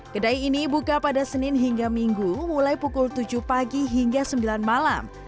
kedai ini buka pada senin hingga minggu mulai pukul tujuh pagi hingga sembilan malam